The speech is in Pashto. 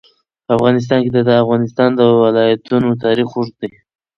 په افغانستان کې د د افغانستان ولايتونه تاریخ اوږد دی.